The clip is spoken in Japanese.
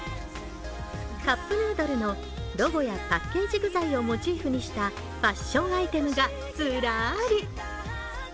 カップヌードルのロゴやパッケージ具材をモチーフにしたファッションアイテムがずらり。